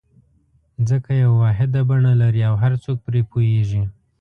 ځکه یوه واحده بڼه لري او هر څوک پرې پوهېږي.